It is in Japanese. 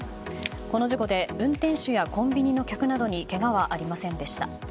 この事故で運転手やコンビニの客などにけがはありませんでした。